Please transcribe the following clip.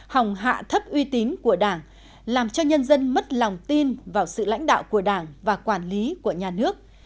hòng hạ thấp uy tín của đảng làm cho nhân dân mất lòng tin vào sự lãnh đạo của đảng và quản lý của nhà nước